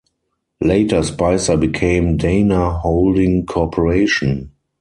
Later Spicer became Dana Holding Corporation.